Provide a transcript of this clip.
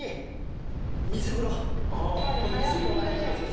これ水風呂が大事なんですよ